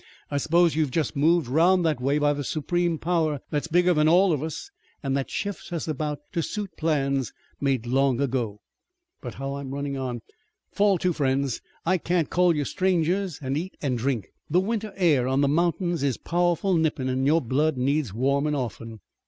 I s'pose you've just been moved 'round that way by the Supreme Power that's bigger than all of us, an' that shifts us about to suit plans made long ago. But how I'm runnin' on! Fall to, friends I can't call you strangers, an' eat an' drink. The winter air on the mountains is powerful nippin' an' your blood needs warmin' often."